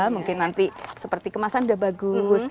mungkin nanti seperti kemasan sudah bagus